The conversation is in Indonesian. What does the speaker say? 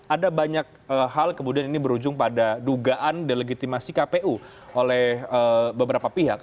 ada banyak hal kemudian ini berujung pada dugaan delegitimasi kpu oleh beberapa pihak